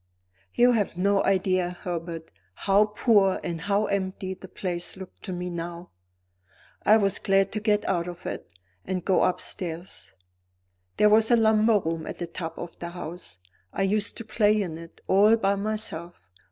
You have no idea, Herbert, how poor and how empty the place looked to me now. I was glad to get out of it, and go upstairs. There was a lumber room at the top of the house; I used to play in it, all by myself.